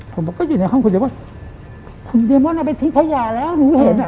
ผมก็อยู่ในห้องคุณเดมอนคุณเดมอนเอาไปทิ้งไข่ยาแล้วหนูเห็นอ่ะ